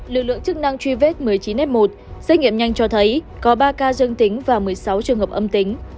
lực lượng chức năng truy vết một mươi chín f một xét nghiệm nhanh cho thấy có ba ca dương tính và một mươi sáu trường hợp âm tính